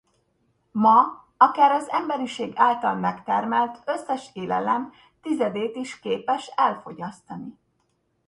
Ma akár az emberiség által megtermelt összes élelem tizedét is képes elfogyasztani.